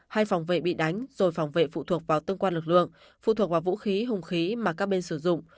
hai phòng vệ bị đánh rồi phòng vệ phụ thuộc vào tương quan lực lượng phụ thuộc vào vũ khí hùng khí mà các bên sử dụng